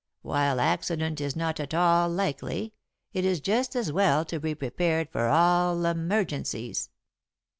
While accident is not at all likely, it is just as well to be prepared for all emergencies.